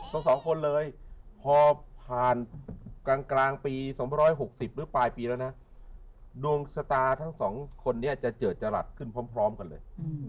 ทั้งสองคนเลยพอผ่านกลางปี๒๖๐หรือปลายปีแล้วนะดวงชะตาทั้งสองคนนี้จะเจิดจรัสขึ้นพร้อมกันเลย